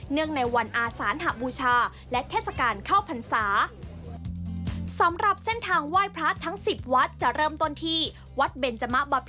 ในวันอาสานหบูชาและเทศกาลเข้าพรรษา